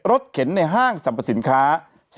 เข็นในห้างสรรพสินค้า